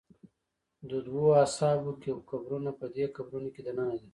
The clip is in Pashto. د دوو اصحابو قبرونه په دې قبرونو کې دننه دي.